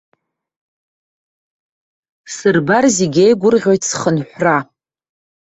Сырбар, зегь еигәырӷьоит схынҳәра!